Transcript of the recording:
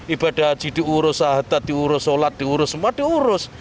ibadah jiduh urus sahadat diurus sholat diurus semua diurus